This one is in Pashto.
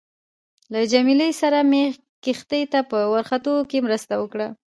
له جميله سره مې کښتۍ ته په ورختو کې مرسته وکړه.